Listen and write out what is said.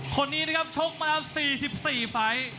คนนี้นะครับชกมา๔๔ฝ่าย